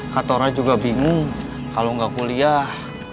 kak tora juga bingung kalau nggak kuliah